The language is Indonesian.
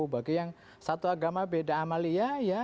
bagi yang satu agama beda amalia ya